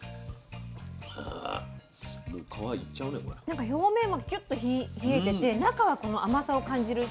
なんか表面はキュッと冷えてて中はこの甘さを感じる。